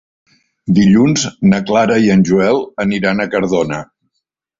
Dilluns na Clara i en Joel aniran a Cardona.